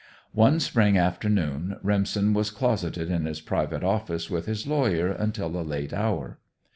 One spring afternoon Remsen was closeted in his private office with his lawyer until a late hour.